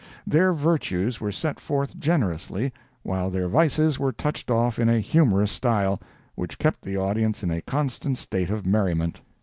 Their virtues were set forth generously, while their vices were touched off in a humorous style, which kept the audience in a constant state of merriment.